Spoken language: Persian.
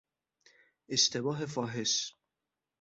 اشتباه فاحش